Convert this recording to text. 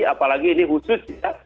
apalagi ini khusus